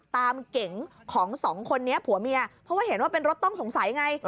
เก๋งของสองคนนี้ผัวเมียเพราะว่าเห็นว่าเป็นรถต้องสงสัยไง